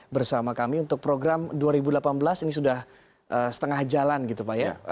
bersama kami untuk program dua ribu delapan belas ini sudah setengah jalan gitu pak ya